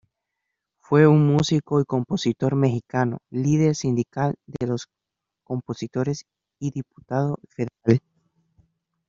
Fue un músico y compositor mexicano, líder sindical de los compositores y Diputado Federal.